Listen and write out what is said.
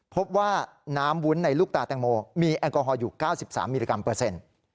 พบว่าน้ำวุ้นในลูกตาแตงโมมีแอลกอฮอลอยู่๙๓มิลลิกรัมเปอร์เซ็นต์